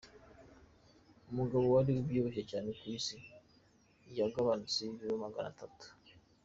Umugabo wari ubyibushye cyane ku isi yagabanutseho ibiro maganatatu